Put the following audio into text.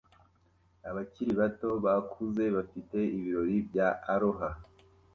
Abakiri bato bakuze bafite ibirori bya Aloha